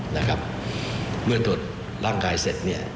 เมื่อตรวจร่างกายเสร็จ